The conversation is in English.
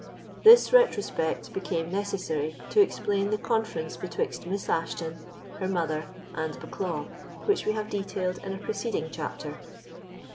This retrospect became necessary to explain the conference betwixt Miss Ashton, her mother, and Bucklaw which we have detailed in a preceding chapter.